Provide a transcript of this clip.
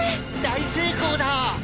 大成功だ！